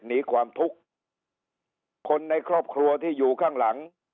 หนีความทุกข์คนในครอบครัวที่อยู่ข้างหลัง